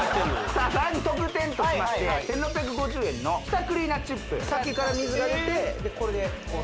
さらに特典としまして１６５０円の舌クリーナーチップ先から水が出てこれでこう・